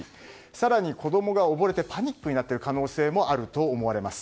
更に、子供が溺れてパニックになっている可能性もあると思われます。